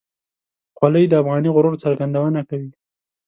خولۍ د افغاني غرور څرګندونه کوي.